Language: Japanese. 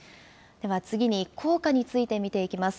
では次に、効果について見ていきます。